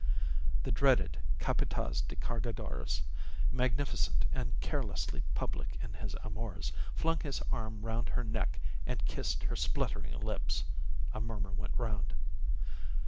The dreaded Capataz de Cargadores, magnificent and carelessly public in his amours, flung his arm round her neck and kissed her spluttering lips. A murmur went round.